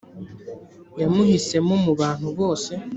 Yamuhisemo mu bantu bose,